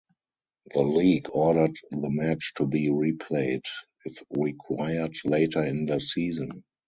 The league ordered the match to be replayed if required later in the season.